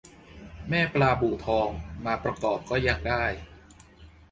แม่ปลาบู่ทอง มาประกอบก็ยังได้